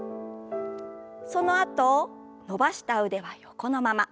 そのあと伸ばした腕は横のまま。